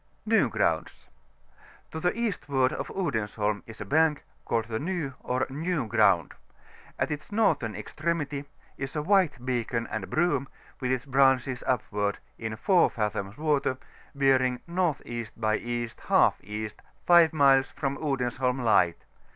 NY GKOUNDS. — ^To the eastward of Odensholm is a bank, called the Ny or New Ground; at its northern extremity is a white beacon and broom, with its branches upward, in 4 fathoms water, bearing N.E. by E. | E., 5 miles from Odensholm light.